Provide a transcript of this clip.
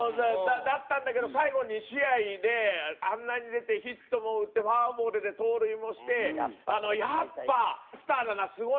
だったんだけど最後２試合であんなに出てヒットも打ってフォアボールで盗塁もしてやっぱスターだなすごいな。